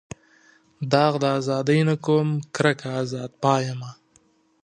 داغ د ازادۍ نه کوم کرکه ازاد پایمه.